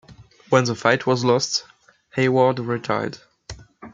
When the fight was lost, Hayward retired.